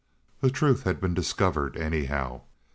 The truth had been discovered anyhow.